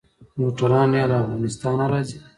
موټران يا له افغانستانه راځي.